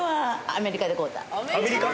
アメリカ！？